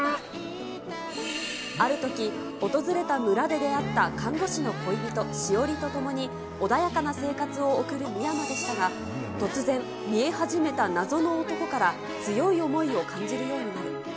あるとき、訪れた村で出会った看護師の恋人、詩織とともに、穏やかな生活を送る未山でしたが、突然、見え始めた謎の男から、強い思いを感じるようになり。